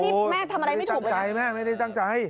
ใช่แล้วนี่แม่ทำอะไรไม่ถูกเหรอแม่ไม่ได้จังใจ